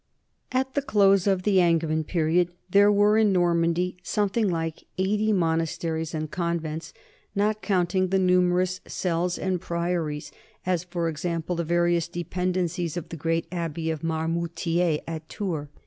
At the close of the Angevin period there were in Nor mandy something like eighty monasteries and convents, not counting the numerous cells and priories, as, for ex ample, the various dependencies of the great abbey of Marmoutier at Tours.